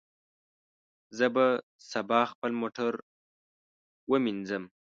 زه به سبا خپل موټر ومینځم.